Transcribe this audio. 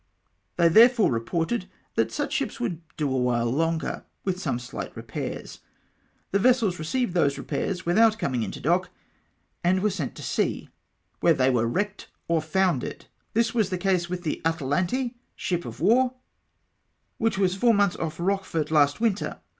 They therefore reported, that such ships would do awhile longer, with some slight repairs. " The vessels received those repairs, without coming into dock, and were sent to sea, where they were wrecked or foundered! This was the case with the Atalante, ship of war, which was four months off Kochefort last winter.